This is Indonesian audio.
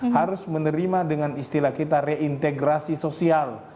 harus menerima dengan istilah kita reintegrasi sosial